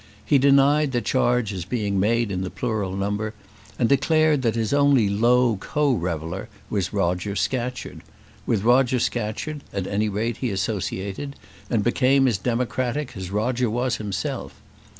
He denied the charge as being made in the plural number, and declared that his only low co reveller was Roger Scatcherd. With Roger Scatcherd, at any rate, he associated, and became as democratic as Roger was himself.